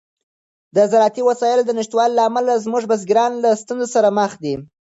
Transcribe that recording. د زراعتي وسایلو د نشتوالي له امله زموږ بزګران له ستونزو سره مخ دي.